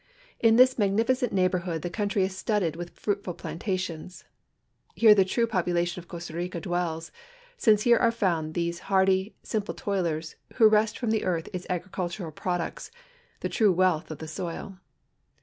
In this magnificent neighl)orhood the country is studded with fruitful plantations. Here the true j^opulation of Costa Rica dwells, since here are found the hardy, simple toilers, who wrest from the earth its agricultural products — the true wealth of the soil.